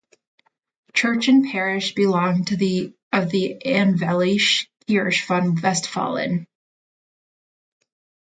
Church and parish belong to the of the Evangelische Kirche von Westfalen.